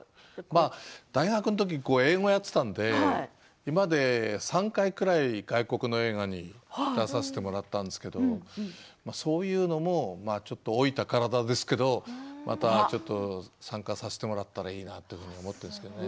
大学の時、英語をやっていたので今まで３回ぐらい外国の映画に出させてもらったんですけどそういうのも、ちょっと老いた体ですけどまたちょっと参加させてもらったらいいなと思ってるんですけどね。